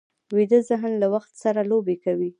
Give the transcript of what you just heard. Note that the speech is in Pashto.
ویده ذهن له وخت سره لوبې کوي